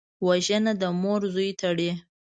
وژنه د مور زوی تړي